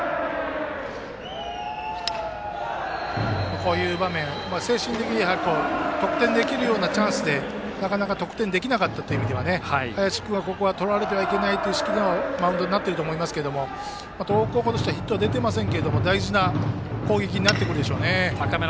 こういう場面、精神的には得点できるチャンスで、なかなかできなかったという意味では林君は、ここは取られてはいけないという意識のマウンドになっていると思いますけど東北高校としてはヒットが出ていませんが大事な攻撃になってくるでしょう。